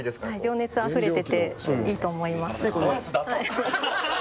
情熱あふれてていいと思います。